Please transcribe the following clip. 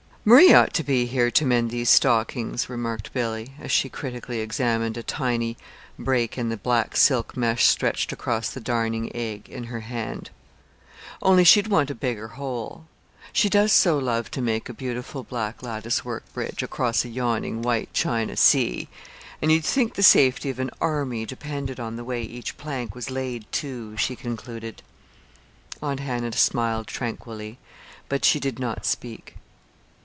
"Marie ought to be here to mend these stockings," remarked Billy, as she critically examined a tiny break in the black silk mesh stretched across the darning egg in her hand; "only she'd want a bigger hole. She does so love to make a beautiful black latticework bridge across a yawning white china sea and you'd think the safety of an army depended on the way each plank was laid, too," she concluded. Aunt Hannah smiled tranquilly, but she did not speak.